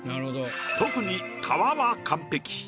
特に川は完璧。